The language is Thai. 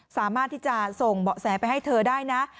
สามารถที่จะส่งเบาะแสไปให้เธอได้นะ